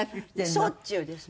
しょっちゅうですもん。